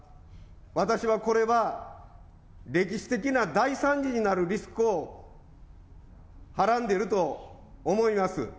私はこれは、歴史的な大惨事になるリスクをはらんでいると思います。